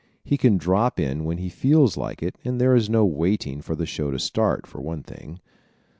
He can drop in when he feels like it and there is no waiting for the show to start, for one thing.